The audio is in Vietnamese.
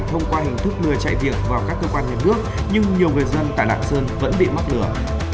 thông qua hình thức mưa chạy việc vào các cơ quan nhà nước nhưng nhiều người dân tại đạc sơn vẫn bị mắc lửa